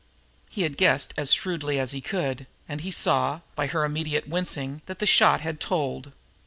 He had guessed as shrewdly as he could, and he saw, by her immediate wincing, that the shot had told.